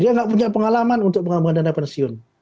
dia nggak punya pengalaman untuk pengamanan dana pensiun